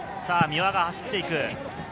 三輪が走っていく。